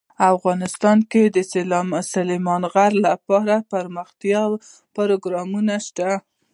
افغانستان کې د سلیمان غر لپاره دپرمختیا پروګرامونه شته.